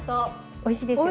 おいしいですよね。